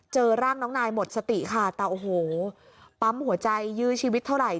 เจอร่างน้องนายหมดสติค่ะแต่โอ้โหปั๊มหัวใจยื้อชีวิตเท่าไหร่